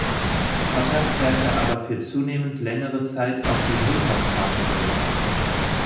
Potter kehrte aber für zunehmend längere Zeit auf die Hill-Top-Farm zurück.